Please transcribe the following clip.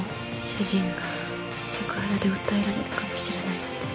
主人がセクハラで訴えられるかもしれないって。